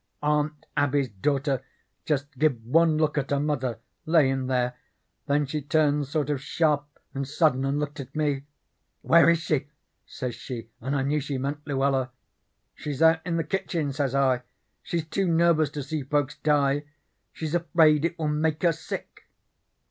Aunt Abby's daughter just give one look at her mother layin' there, then she turned sort of sharp and sudden and looked at me. "'Where is she?' says she, and I knew she meant Luella. "'She's out in the kitchen,' says I. 'She's too nervous to see folks die. She's afraid it will make her sick.'